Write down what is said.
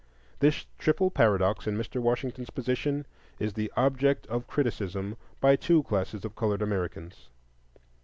This triple paradox in Mr. Washington's position is the object of criticism by two classes of colored Americans.